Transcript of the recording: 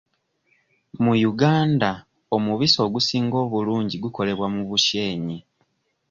Mu Uganda omubisi ogusinga obulungi gukolebwa mu Bushenyi.